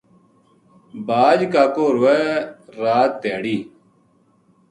باج کاکو روئے رات دھیا ڑی